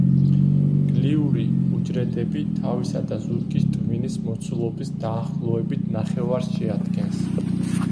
გლიური უჯრედები თავისა და ზურგის ტვინის მოცულობის დაახლოებით ნახევარს შეადგენს.